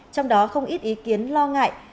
trong đó không ít ý kiến lo ngại